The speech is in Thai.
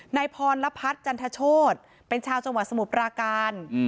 นายพรพัฒน์จันทโชธเป็นชาวจังหวัดสมุทรปราการ